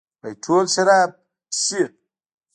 وايي ټول شراب چښي؟